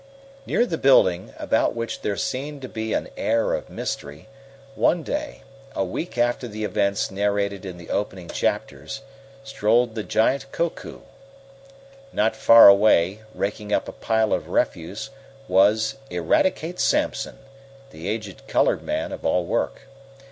Near the building, about which there seemed to be an air of mystery, one day, a week after the events narrated in the opening chapters, strolled the giant Koku. Not far away, raking up a pile of refuse, was Eradicate Sampson, the aged colored man of all work.